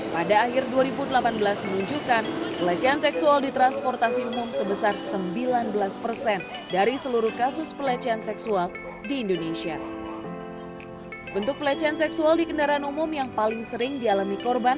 pelecehan seksual di kendaraan umum